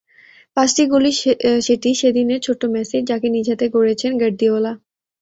পাঁচটি গোলই সেটি সেদিনের ছোট্ট মেসির, যাকে নিজ হাতে গড়েছেন গার্দিওলা।